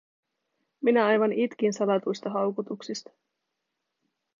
Minä aivan itkin salatuista haukotuksista.